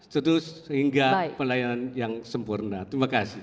tentu sehingga pelayanan yang sempurna terima kasih